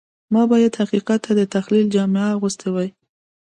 ما باید حقیقت ته د تخیل جامه اغوستې وای